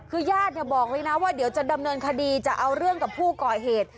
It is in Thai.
คือญาติบอกเลยนะว่าเดี๋ยวจะดำเนินคดีจะเอาเรื่องกับผู้ก่อเหตุ